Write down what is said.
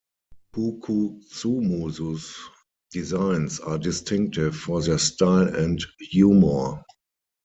Kukuxumusu's designs are distinctive for their style and humour.